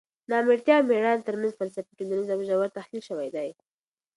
نامېړتیا او مېړانې ترمنځ فلسفي، ټولنیز او ژور تحلیل شوی دی.